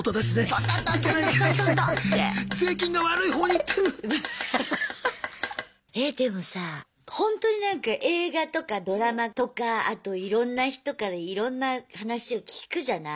トントントントントントンッて。えでもさほんとになんか映画とかドラマとかあといろんな人からいろんな話を聞くじゃない？